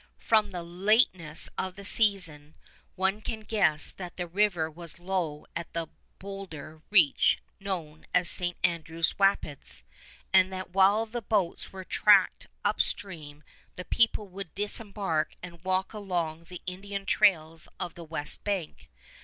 From the lateness of the season one can guess that the river was low at the bowlder reach known as St. Andrew's Rapids, and that while the boats were tracked upstream the people would disembark and walk along the Indian trails of the west bank.